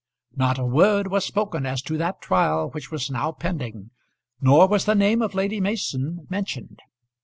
Not a word was spoken as to that trial which was now pending, nor was the name of Lady Mason mentioned.